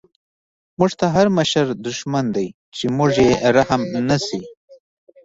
موږ ته هر مشر دشمن دی، چی په موږ یې رحم نه شی